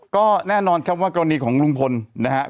ก็แน่นอนครับว่ากรณีของลุงพลนะครับ